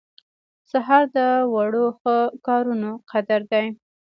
سهار د وړو ښه کارونو قدر دی.